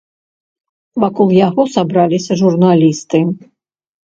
Вакол яго сабраліся журналісты.